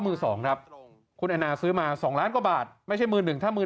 มือ๒ครับคุณอันนาซื้อมา๒ล้านกว่าบาทไม่ใช่มือ๑ถ้ามือ๑